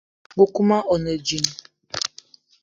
Nkoukouma one djinn.